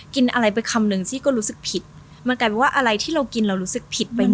กินอะไรไปคำนึงที่ก็รู้สึกผิดมันกลายเป็นว่าอะไรที่เรากินเรารู้สึกผิดไปหมด